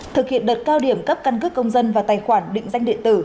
thực hiện đợt cao điểm cấp căn cước công dân và tài khoản định danh điện tử